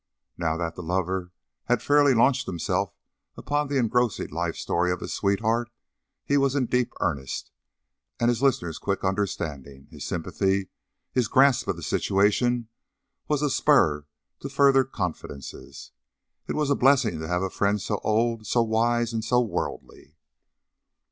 Now that the lover had fairly launched himself upon the engrossing life story of his sweetheart he was in deep earnest, and his listener's quick understanding, his sympathy, his grasp of the situation, was a spur to further confidences. It was a blessing to have a friend so old, so wise, and so worldly.